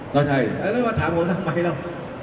ก็ใช่แล้วถามผมทำไมล่ะ